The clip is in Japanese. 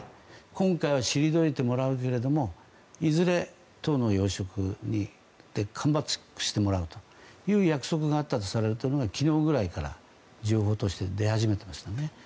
今回は退いてもらうけれどもいずれ党の要職でカムバックしてもらうという約束をされているのが昨日ぐらいから情報として出始めた。